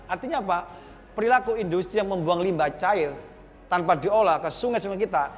artinya apa perilaku industri yang membuang limba cair tanpa diolah ke sungai sungai kita